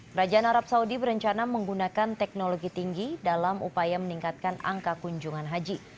kerajaan arab saudi berencana menggunakan teknologi tinggi dalam upaya meningkatkan angka kunjungan haji